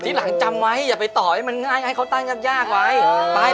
ก็บอกว่านี่เค้าเป็นคนคิดโจทย์นะดูหน้าไว้